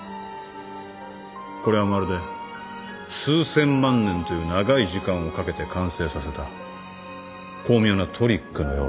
これはまるで数千万年という長い時間をかけて完成させた巧妙なトリックのようだと。